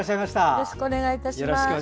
よろしくお願いします。